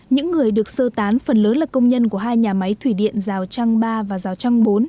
những người được sơ tán phần lớn là công nhân của hai nhà máy thủy điện rào trăng ba và rào trăng bốn